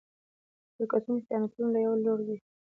د شرکتونو خیانتونه له يوه لوري دي.